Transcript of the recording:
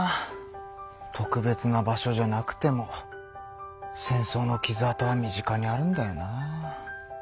特別な場所じゃなくても戦争の傷痕は身近にあるんだよな。